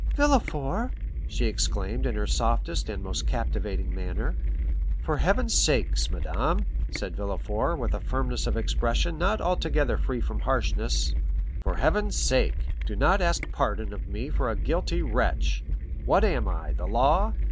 "Villefort," she exclaimed in her softest and most captivating manner. "For Heaven's sake, madame," said Villefort, with a firmness of expression not altogether free from harshness—"for Heaven's sake, do not ask pardon of me for a guilty wretch! What am I?—the law.